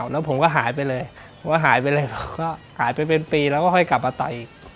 แล้วผมก็หายไปเลยหายไปเป็นปีแล้วก็ค่อยกลับมาต่อยอีก